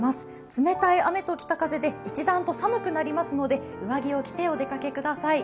冷たい雨と北風で一段と寒くなりますので上着を着てお出かけください。